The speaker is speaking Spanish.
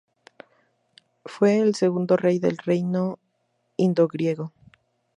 C.. Fue el segundo rey del Reino indogriego.